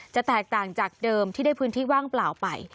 จะแตกต่างจากเดิมที่ได้พื้นที่ว่างเปล่าไป